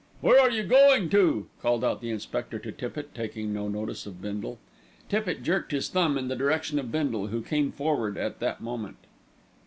"Where are you going to?" called out the inspector to Tippitt, taking no notice of Bindle. Tippitt jerked his thumb in the direction of Bindle, who came forward at that moment.